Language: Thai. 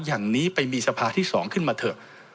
อย่างนี้ไปมีสภาที่๒ขึ้นมาเถอะ